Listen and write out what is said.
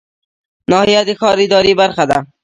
ناحیه د ښار اداري برخه ده